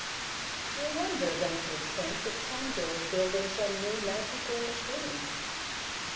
"I wonder," ventured Twink, "if Conjo is building some new magical machine?"